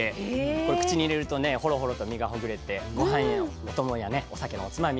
これ口に入れるとねほろほろと身がほぐれてごはんのお供やねお酒のおつまみにも合いそうです。